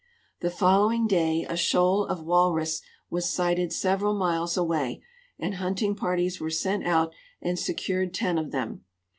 The following day a shoal of walrus was sighted several miles away, and hunting parties were sent out and secured 10 of them.